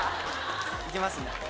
いきますね。